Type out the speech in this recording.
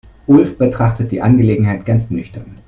Ulf betrachtet die Angelegenheit ganz nüchtern.